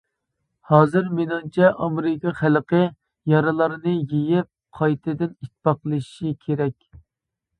ھازىر مېنىڭچە ئامېرىكا خەلقى يارىلارنى يېپىپ، قايتىدىن ئىتتىپاقلىشىشى كېرەك.